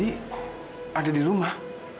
dokter fnd ada di rumah